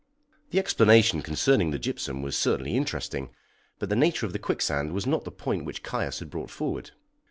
The explanation concerning the gypsum was certainly interesting, but the nature of the quicksand was not the point which Caius had brought forward.